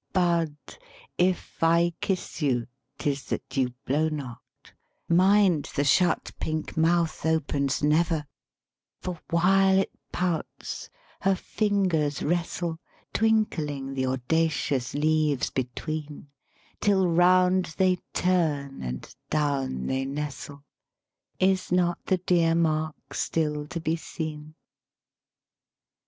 Bud, if I kiss you 'tis that you blow not: Mind, the shut pink mouth opens never! 142 LYRIC POETRY For while it pouts, her fingers wrestle, Twinkling the audacious leaves between, Till round they turn and down they nestle Is not the dear mark still to be seen?